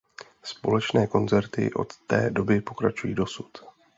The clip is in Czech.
Společné koncerty od té doby pokračují dosud.